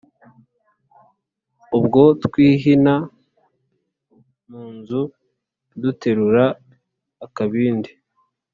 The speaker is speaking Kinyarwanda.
Ubwo twihina mu nzu Duterura akabindi